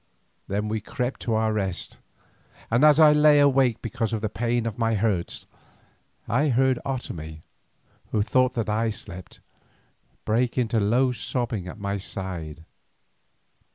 Then we crept to our rest, and as I lay awake because of the pain of my hurts, I heard Otomie, who thought that I slept, break into low sobbing at my side.